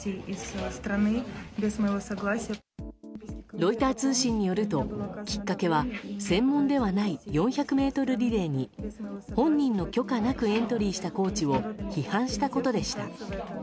ロイター通信によるときっかけは専門ではない４００ｍリレーに本人の許可なくエントリーしたコーチを批判したことでした。